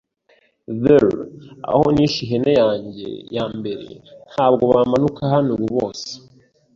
Theer aho nishe ihene yanjye yambere. Ntabwo bamanuka hano ubu; bose